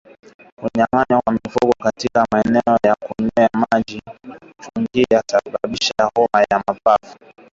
Kuchanganya wanyama katika maeneo ya kunywea maji na kuchungia husababisha homa ya mapafu